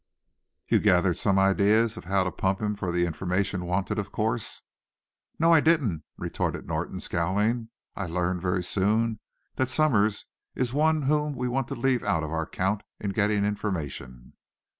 "You gathered some idea of how to pump him for the information wanted, of course?" "No; I didn't," retorted Norton, scowling. "I learned, very soon, that Somers is one whom we want to leave out of our count in getting information?"